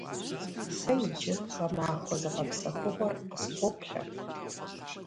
Сэ иджы гъэмахуэ зыгъэпсэхугъуэр къыспоплъэ.